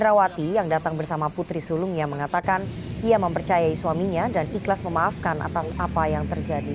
ketua komnasam ahmad tovandamanik senin siang